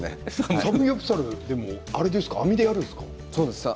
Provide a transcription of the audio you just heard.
サムギョプサル網でやるんですか。